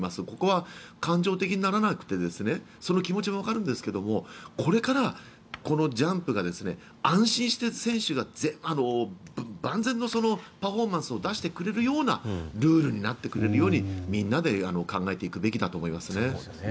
ここは感情的にならなくてその気持ちもわかるんですがこれから、このジャンプが安心して選手が万全のパフォーマンスを出してくれるようなルールになってくれるようにみんなで考えていくべきだと思いますね。